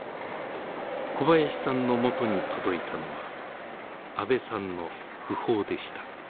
小林さんのもとに届いたのは阿部さんの訃報でした。